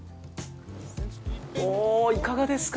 おおいかがですか？